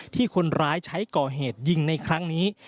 ที่คนร้ายใช้ก่อเหตุยิงในครั้งนี้